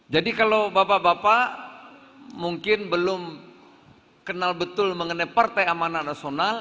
jadi kalau bapak bapak mungkin belum kenal betul mengenai partai amanat